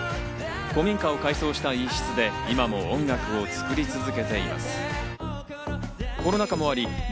古民家を改装した一室で今も音楽を作り続けています。